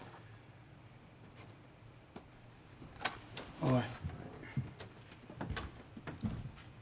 おい。